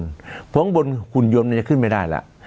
เพราะบนหุ่นยนต์จะขึ้นไม่ได้แล้ว